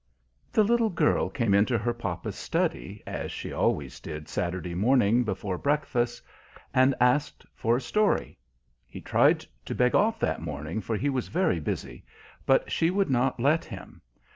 The little girl came into her papa's study, as she always did Saturday morning before breakfast, and asked for a story. He tried to beg off that morning, for he was very busy, but she would not let him.